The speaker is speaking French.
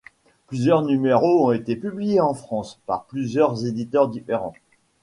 Plusieurs numéros ont été publiés en France par plusieurs éditeurs différents.